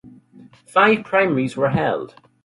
Five primaries were held.